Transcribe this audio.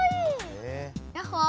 ヤッホー。